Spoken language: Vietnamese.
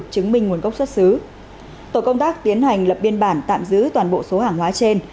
thuốc xuất xứ tổ công tác tiến hành lập biên bản tạm giữ toàn bộ số hàng hóa trên